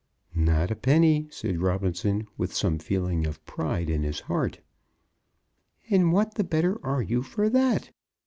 "Not a penny," said Robinson, with some feeling of pride at his heart. "And what the better are you for that?